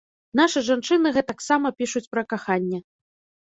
Нашы жанчыны гэтак сама пішуць пра каханне.